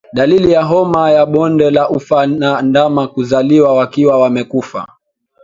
Dalili ya homa ya bonde la ufa ni ndama kuzaliwa wakiwa wamekufa